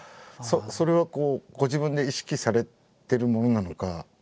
それはこうご自分で意識されてるものなのか。